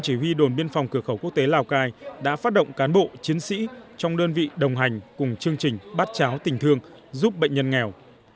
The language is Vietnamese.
chỉ huy đồn biên phòng cửa khẩu quốc tế lào cai đã phát động cán bộ chiến sĩ trong đơn vị đồng hành cùng chương trình bát cháo tình thương giúp bệnh nhân nghèo